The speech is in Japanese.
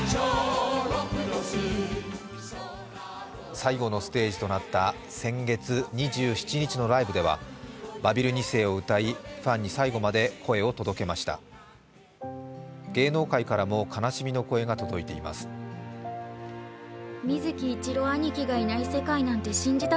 最後のステージとなった先月２７日のライブでは「バビル２世」を歌いファンに最後まで声を届けました。